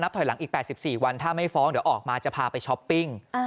ถอยหลังอีก๘๔วันถ้าไม่ฟ้องเดี๋ยวออกมาจะพาไปช้อปปิ้ง